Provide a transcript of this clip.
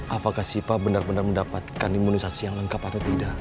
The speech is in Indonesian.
apakah sipa benar benar mendapatkan imunisasi yang lengkap atau tidak